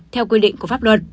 theo quy định của pháp luật